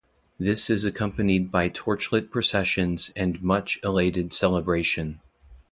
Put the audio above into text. This is accompanied by torchlit processions and much elated celebration.